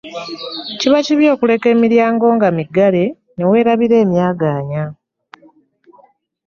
Kiba kibi okuleka emiryango nga miggale newerabira emyaganya .